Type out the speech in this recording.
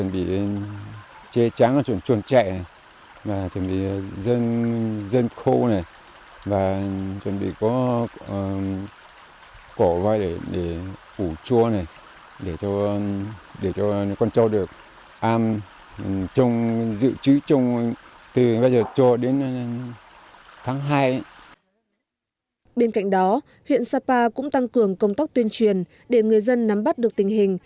bên cạnh đó huyện sapa cũng tăng cường công tác tuyên truyền để người dân nắm bắt được tình hình